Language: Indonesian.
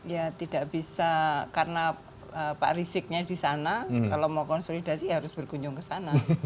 ya tidak bisa karena pak riziknya di sana kalau mau konsolidasi harus berkunjung ke sana